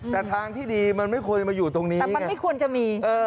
แต่ทางที่ดีมันไม่ควรอยู่ตรงนี้